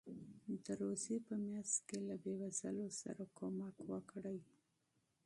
د روژې په میاشت کې له بېوزلو سره مرسته وکړئ.